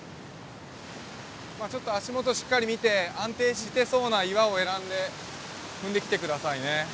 まあちょっと足元しっかり見て安定してそうな岩を選んで踏んできて下さいね。